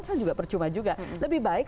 kan juga percuma juga lebih baik